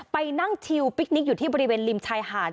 ไปนั่งชิลปิ๊กนิกอยู่ที่บริเวณริมชายหาด